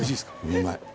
うまい。